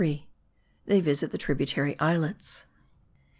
THEY VISIT THE TRIBUTARY ISLETS.